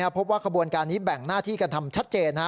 พบว่าขบวนการนี้แบ่งหน้าที่กันทำชัดเจน